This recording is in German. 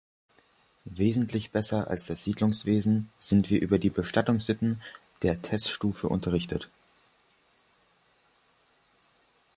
Wesentlich besser als das Siedlungswesen sind wir über die Bestattungssitten der Tes-Stufe unterrichtet.